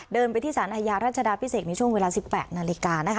เดินไปที่สารอาญารัชดาพิเศษในช่วงเวลา๑๘นาฬิกานะคะ